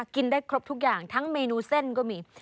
กินได้ครบทุกอย่างทั้งเมนูเส้นก็มี